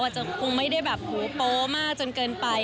จะคงไม่ได้แบบหูโป๊มากจนเกินไป